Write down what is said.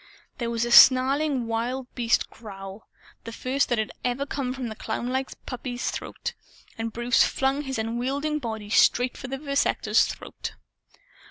There was a snarling wild beast growl, the first that ever had come from the clownlike puppy's throat, and Bruce flung his unwieldy young body straight for the vivisector's throat.